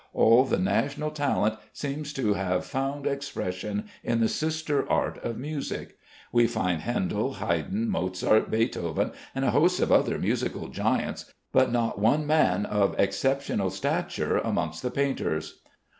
All the national talent seems to have found expression in the sister art of music. We find Handel, Haydn, Mozart, Beethoven, and a host of other musical giants, but not one man of exceptional stature amongst the painters.